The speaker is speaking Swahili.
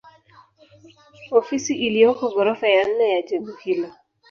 Ofisi iliyoko ghorofa ya nne ya jengo hilo